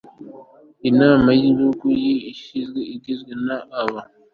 Inama y Igihugu y Ishyaka igizwe n aba